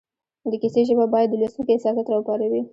د کیسې ژبه باید د لوستونکي احساسات را وپاروي